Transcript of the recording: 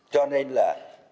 cho nên là